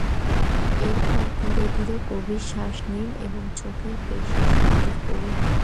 এরপর ধীরে ধীরে গভীর শ্বাস নিন এবং চোখের পেশি শিথিল করুন।